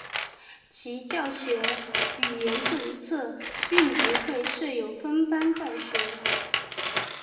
其教学语言政策并不会设有分班教学。